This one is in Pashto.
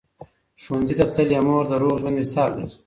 ښوونځې تللې مور د روغ ژوند مثال ګرځي.